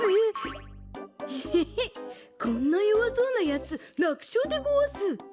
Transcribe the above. こころのこえヘヘヘこんなよわそうなやつらくしょうでごわす！